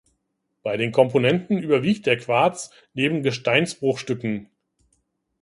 Bei den Komponenten überwiegt der Quarz neben Gesteinsbruchstücken.